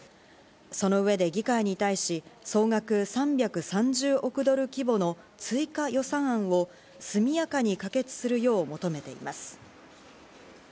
その上で議会に対し、総額３３０億ドル規模の追加予算案を速やかに可決するよう求めています。